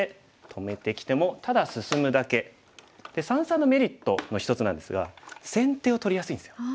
三々のメリットの一つなんですが先手を取りやすいんですよ。